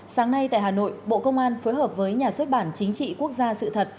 sáng nay tại hà nội bộ công an phối hợp với nhà xuất bản chính trị quốc gia sự thật